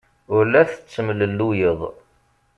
Ur la tettemlelluyeḍ.